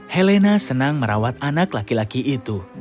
helena senang merawat anak laki laki itu